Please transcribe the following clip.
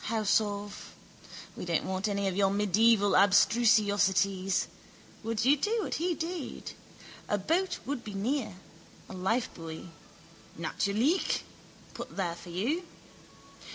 House of... We don't want any of your medieval abstrusiosities. Would you do what he did? A boat would be near, a lifebuoy. Natürlich, put there for you.